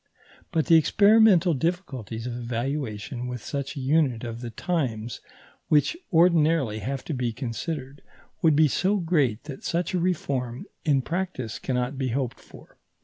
But the experimental difficulties of evaluation with such a unit of the times which ordinarily have to be considered, would be so great that such a reform in practice cannot be hoped for.